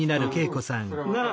なあ？